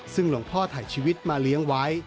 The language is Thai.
ซึ่งหลวงพ่อถ่ายชีวิตมาเลี้ยงไว้